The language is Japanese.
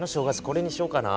これにしよっかな。